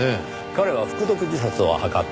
彼は服毒自殺を図った。